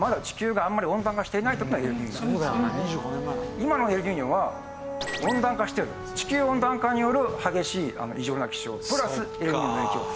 今のエルニーニョは温暖化してる地球温暖化による激しい異常な気象プラスエルニーニョの影響。